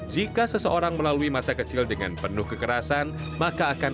jika seseorang melalui masa kecil dengan penuh kekerasan